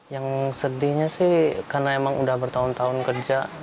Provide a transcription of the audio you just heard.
yang sedihnya sih karena emang udah bertahun tahun kerja